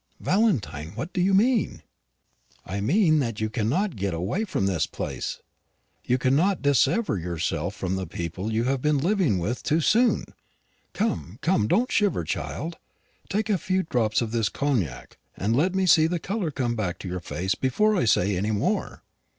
"Valentine, what do you mean?" "I mean, that you cannot get away from this place you cannot dissever yourself from the people you have been living with, too soon. Come, come, don't shiver, child. Take a few drops of this cognac, and let me see the colour come back to your face before I say any more."